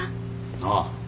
ああ。